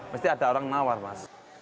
mesti ada orang nawar mas